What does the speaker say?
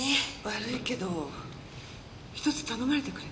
悪いけどひとつ頼まれてくれない？